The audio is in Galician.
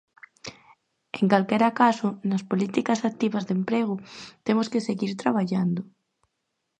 En calquera caso, nas políticas activas de emprego, temos que seguir traballando.